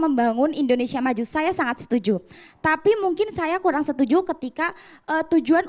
membangun indonesia maju saya sangat setuju tapi mungkin saya kurang setuju ketika tujuan